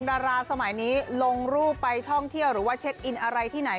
ดาราสมัยนี้ลงรูปไปท่องเที่ยวหรือว่าเช็คอินอะไรที่ไหน